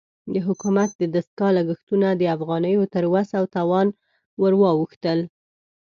د حکومت د دستګاه لګښتونه د افغانیو تر وس او توان ورواوښتل.